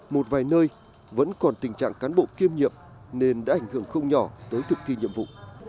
một vài nơi vẫn còn tình trạng cán bộ kiêm nhiệm nên đã ảnh hưởng không nhỏ tới thực thi nhiệm vụ